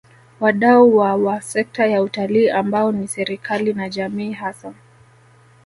Wadau wa wa sekta ya Utalii ambao ni serikali na jamii hasa